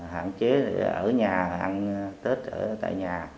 hạn chế ở nhà ăn tết ở tại nhà